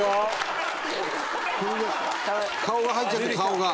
顔が入っちゃってる顔が。